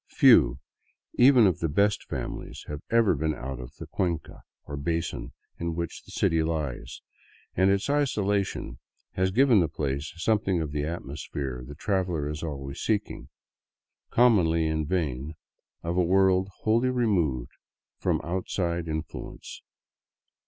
Few, even of the " best families," have ever been out of the cuenca, or basin, in which the city lies, and its isolation has given the place something of the atmosphere the traveler is always seeking — commonly in vain — of a world wholly removed from outside in fluence.